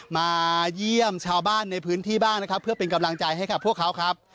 มาเยี่ยมชาวบ้านในพื้นที่บ้างนะครับเพื่อเป็นกำลังใจให้กับพวกเขาครับ